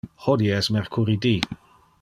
Hodie es mercuridi.